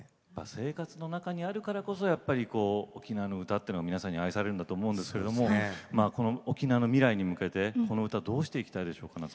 生活の中にあるからこそやっぱり沖縄の歌っていうのが皆さんに愛されるのだと思うのですけど、沖縄の未来に向け、この歌をどうしていきたいでしょうか。